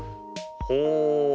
ほう。